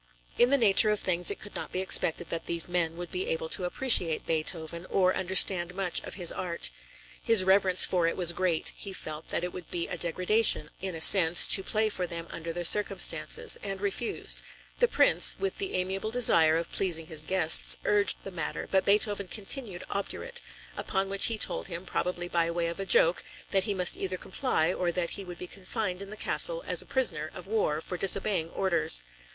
In the nature of things it could not be expected that these men would be able to appreciate Beethoven, or understand much of his art. His reverence for it was great; he felt that it would be a degradation, in a sense, to play for them under the circumstances, and refused. The Prince, with the amiable desire of pleasing his guests, urged the matter, but Beethoven continued obdurate; upon which he told him, probably by way of a joke, that he must either comply or that he would be confined in the castle as a prisoner of war for disobeying orders.